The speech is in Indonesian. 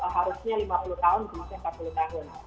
harusnya lima puluh tahun maksudnya empat puluh tahun